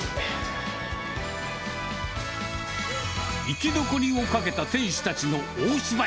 生き残りをかけた店主たちの大芝居。